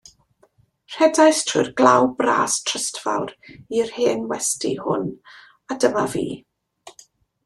Rhedais drwy'r glaw bras trysfawr i'r hen westy hwn, a dyma fi.